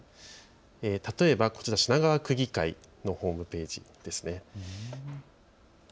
例えば品川区議会のホームページですね。